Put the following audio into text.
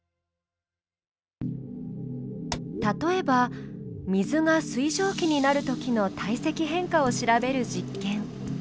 例えば水が水蒸気になるときの体積変化を調べる実験。